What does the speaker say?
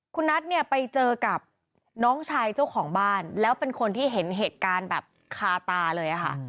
คุณนัทเนี่ยไปเจอกับน้องชายเจ้าของบ้านแล้วเป็นคนที่เห็นเหตุการณ์แบบคาตาเลยค่ะ